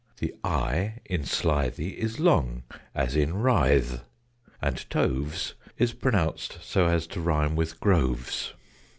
The "i" in "slithy" is long, as in "writhe"; and "toves" is pronounced so as to rhyme with "groves."